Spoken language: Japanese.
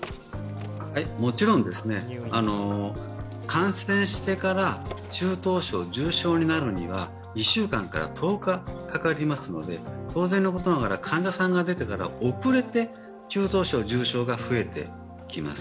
もちろん、感染してから中等症・重症になるには１週間から１０日かかりますので、当然のことながら、患者さんが出てきてから遅れて中等症・重症が増えてきます。